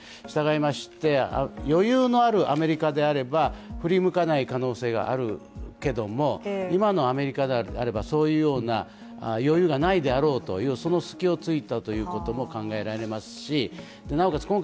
したがいまして、余裕のあるアメリカであれば、振り向かない可能性があるけれども、今のアメリカであれば、そういうような余裕がないであろうと、その隙を突いたということも考えられますしなおかつ